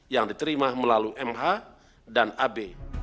yang diterima melalui mh dan ab